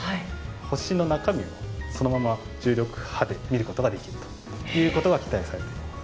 星の中身をそのまま重力波で見ることができるということが期待されています。